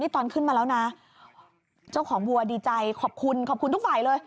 ตอนขึ้นมาแล้วนะเจ้าของวัวดีใจขอบคุณขอบคุณทุกฝ่ายเลย